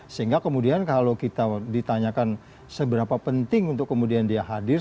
sehingga kemudian kalau kita ditanyakan seberapa penting untuk kemudian dia hadir